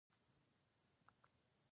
د خیر نیت د ثواب اساس دی.